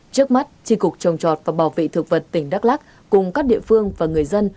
trước mắt tri cục trồng chọt và bảo vệ thực vật tỉnh đắk lắc cùng các địa phương và người dân